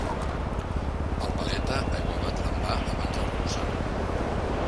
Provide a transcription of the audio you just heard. El paleta aiguabat l'envà abans d'arrebossar-lo.